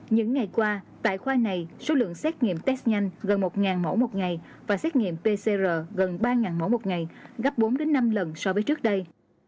những ngày qua tại khoa này số lượng xét nghiệm test nhanh gần một mẫu một ngày và xét nghiệm pcr gần ba mẫu một ngày gấp bốn năm lần so với trước đây